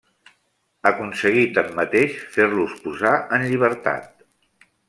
Aconseguí tanmateix fer-los posar en llibertat.